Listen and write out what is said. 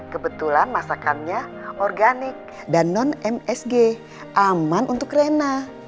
kebetulan masakannya organik dan non msg aman untuk rena